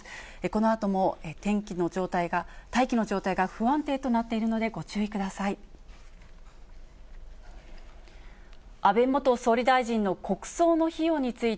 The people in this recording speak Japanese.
このあとも、大気の状態が不安定となっているのでご注意ください。